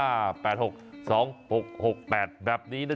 เยี่ยมเลยนะสนับสนุนนะ